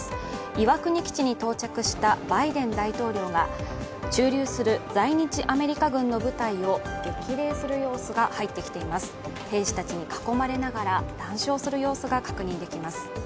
岩国基地に到着したバイデン大統領が駐留する在日アメリカ軍の部隊を激励する様子で兵士たちに囲まれながら談笑する様子が確認できます。